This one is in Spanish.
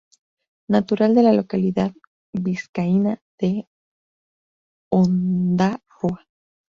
Natural de la localidad vizcaína de Ondárroa.